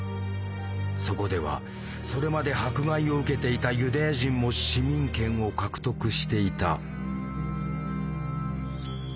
そこではそれまで迫害を受けていたユダヤ人も市民権を獲得していた。